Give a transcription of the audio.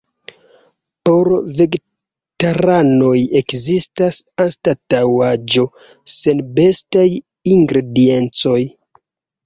Por vegetaranoj ekzistas anstataŭaĵo sen bestaj ingrediencoj.